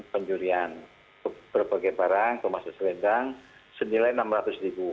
penjurian berbagai barang termasuk selendang senilai rp enam ratus ribu